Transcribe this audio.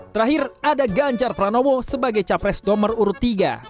terakhir ada ganjar pranowo sebagai capres nomor urut tiga